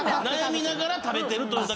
悩みながら食べてると。